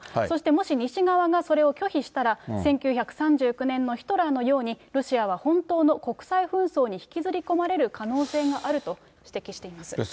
そしてもし、西側がそれを拒否したら、１９３９年のヒトラーのようにロシアは本当の国際紛争に引きずり込まれる可能性があると指摘しています。